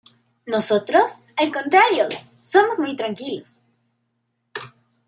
Nosotros, al contrario, somos muy tranquilos.